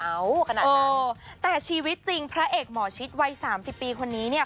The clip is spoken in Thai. ขนาดนั้นเออแต่ชีวิตจริงพระเอกหมอชิดวัยสามสิบปีคนนี้เนี่ย